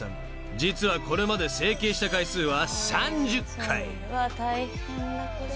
［実はこれまで整形した回数は３０回］